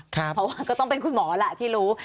เพราะว่าก็ต้องเป็นคุณหมอแหละที่รู้